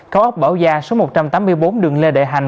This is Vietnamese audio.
có ốc bão gia số một trăm tám mươi bốn đường lê đệ hành